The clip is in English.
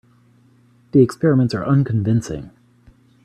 The experiments are unconvincing.